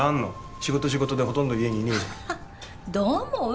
仕事仕事でほとんど家にいねえじゃんどう思う？